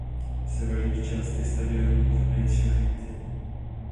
V severních částech stadionu lze najít šachty.